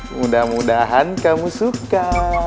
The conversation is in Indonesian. mudah mudahan kamu suka